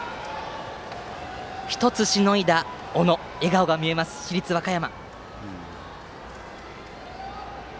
１つしのいだ小野に笑顔が見えます、市立和歌山。